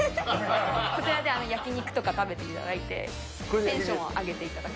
これで焼き肉とか食べていただいて、テンションを上げていただく。